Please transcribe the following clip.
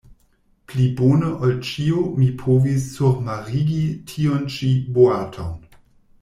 Pli bone ol ĉio mi povis surmarigi tiun-ĉi boaton.